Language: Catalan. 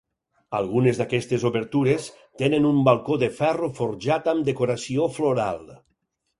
Algunes d'aquestes obertures tenen un balcó de ferro forjat amb decoració floral.